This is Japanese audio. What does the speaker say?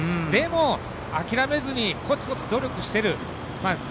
でも、諦めずにこつこつ努力している。